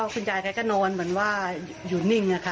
คุณยายแกก็นอนเหมือนว่าอยู่นิ่งอะค่ะ